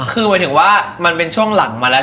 คือหมายถึงว่ามันเป็นช่วงหลังมาแล้ว